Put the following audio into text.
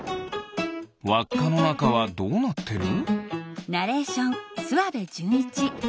わっかのなかはどうなってる？